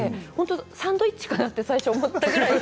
サンドイッチかなと最初思ったくらいで。